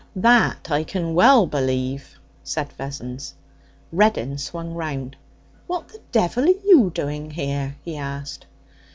'That I can well believe,' said Vessons. Reddin swung round. 'What the devil are you doing here?' he asked.